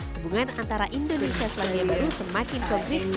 hubungan antara indonesia selandia baru semakin konkret